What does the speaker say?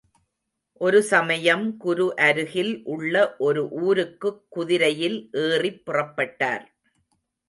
ஒருசமயம் குரு அருகில் உள்ள ஒரு ஊருக்குக் குதிரையில் ஏறிப் புறப்பட்டார்.